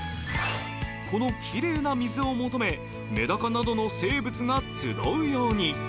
このきれいな水を求め、メダカなどの生物が集うように。